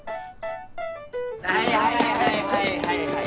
はいはいはいはい。